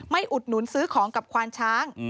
อุดหนุนซื้อของกับควานช้าง